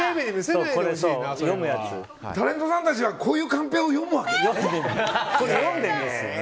タレントさんたちはこういうカンペを読むわけよね。